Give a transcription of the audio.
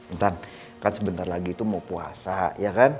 intan kan sebentar lagi itu mau puasa ya kan